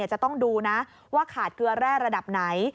จะต้องดูนะว่าขาดเกลือแร่ระดับไหน